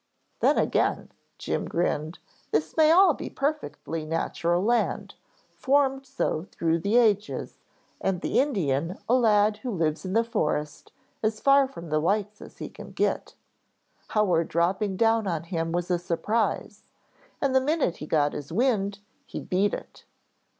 "Then, again," Jim grinned. "This may all be perfectly natural land, formed so through the ages, and the Indian a lad who lives in the forest as far from the whites as he can get. Our dropping down on him was a surprise, and the minute he got his wind, he beat it.